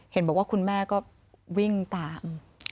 เห็นบอกว่าคุณแม่ก็วิ่งตาม